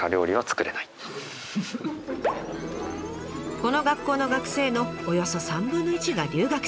この学校の学生のおよそ３分の１が留学生。